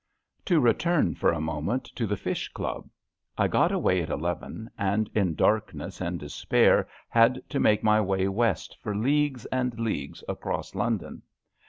To return for a moment to the fish club. I got away at eleven, and in darkness and despair had to make my way west for leagues and leagues across London.